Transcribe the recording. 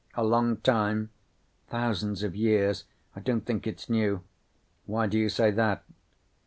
"A long time?" "Thousands of years. I don't think it's new." "Why do you say that?"